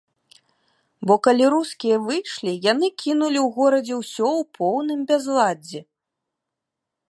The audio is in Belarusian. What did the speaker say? Бо калі рускія выйшлі, яны кінулі ў горадзе ўсё ў поўным бязладдзі.